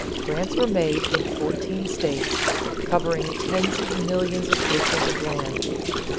Grants were made in fourteen states, covering tens of millions of acres of land.